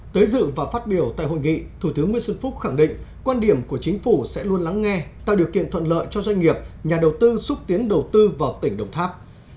tới dự và phát biểu tại hội nghị thủ tướng nguyễn xuân phúc khẳng định quan điểm của chính phủ sẽ luôn lắng nghe tạo điều kiện thuận lợi cho doanh nghiệp nhà đầu tư xúc tiến đầu tư vào tỉnh đồng tháp